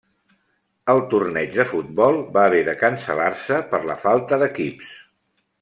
El torneig de futbol va haver de cancel·lar-se per la falta d'equips.